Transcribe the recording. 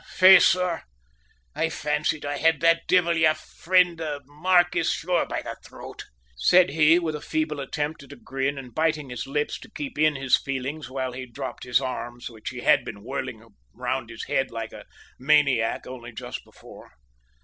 "Faith, sor, I fancied I had that divvle, your fri'nd, the markiss, sure, be the throat," said he, with a feeble attempt at a grin and biting his lips to keep in his feelings while he dropped his arms, which he had been whirling round his head like a maniac only just before.